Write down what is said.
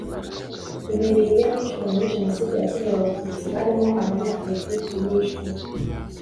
imibiri y abishwe muri jenoside yakorewe abatutsi barimo abanyepolitiki bishwe